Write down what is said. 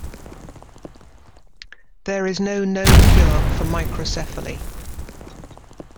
There is no known cure for microcephaly.